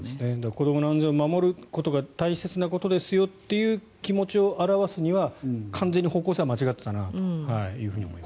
子どもの安全を守ることが大切なことですよという気持ちを表すには完全に方向性は間違っていたなと思います。